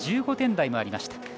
１５点台もありました。